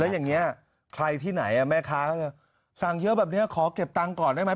อย่างนี้ใครที่ไหนแม่ค้าก็จะสั่งเยอะแบบนี้ขอเก็บตังค์ก่อนได้ไหม